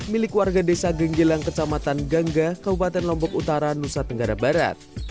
milik warga desa genggelang kecamatan gangga kabupaten lombok utara nusa tenggara barat